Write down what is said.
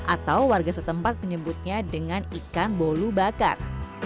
atau warga setempat menyebutnya dengan ikan bolu bakar